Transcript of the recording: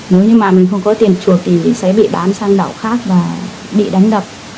nếu như mà mình không có tiền chuộc thì mình sẽ bị bán sang đảo khác và bị đánh đập